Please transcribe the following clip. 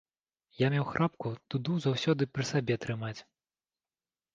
Я меў храпку дуду заўсёды пры сабе трымаць.